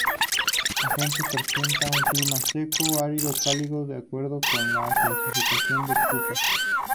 Agaete presenta un clima seco árido cálido, de acuerdo con la clasificación de Köppen.